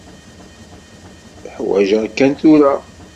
Ḥwaǧeɣ-ken tura.